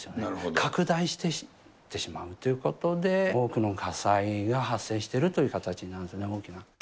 拡大していってしまうということで、多くの火災が発生してるっていう形なんですね、大きな。